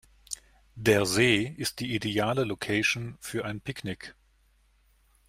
Der See ist die ideale Location für ein Picknick.